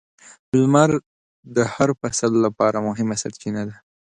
• لمر د هر فصل لپاره مهمه سرچینه ده.